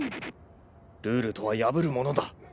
ルールとは破るものだ